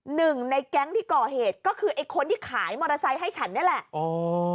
หนึ่งในแก๊งที่ก่อเหตุก็คือไอ้คนที่ขายมอเตอร์ไซค์ให้ฉันนี่แหละ